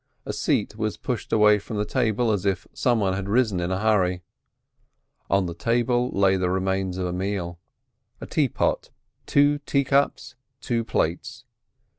A seat was pushed away from the table as if some one had risen in a hurry. On the table lay the remains of a meal, a teapot, two teacups, two plates.